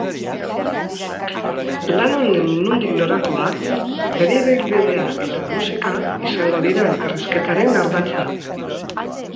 Lan honen nondik norakoak, bere ibilbidea eta musika izango dira elkarrizketaren ardatza.